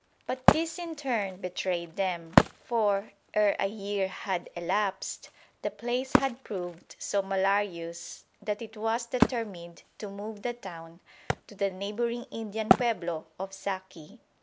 But this in turn betrayed them, for, ere a year had elapsed, the place had proved so malarious that it was determined to move the town to the neighbouring Indian pueblo of Zaci.